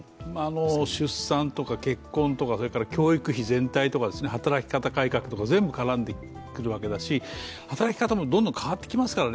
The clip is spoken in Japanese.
出産とか結婚とか教育費全体とか働き方改革とか全部絡んでくるわけだし、働き方もどんどん変わってきますからね